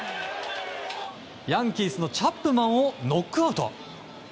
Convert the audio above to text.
ヤンキースのチャップマンをノックアウト。